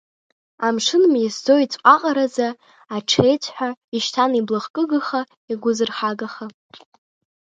Амшын меисӡо еиҵәҟаҟараӡа, аҽеиҵҳәа, ишьҭан иблахкыгаха, игәазырҳагаха.